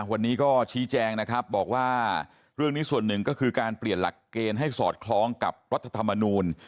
วันนี้ก็ชี้แจงนะครับบอกว่าเรื่องนี้ส่วนหนึ่งก็คือการเปลี่ยนหลักเกณฑ์ให้สอดคล้องกับรัฐธรรมนูล